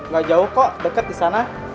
gak jauh kok deket disana